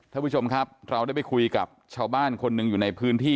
ท่านผู้ชมครับเราได้ไปคุยกับชาวบ้านคนหนึ่งอยู่ในพื้นที่